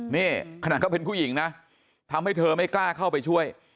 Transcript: นี่ขนาดเขาเป็นผู้หญิงนะทำให้เธอไม่กล้าเข้าไปช่วย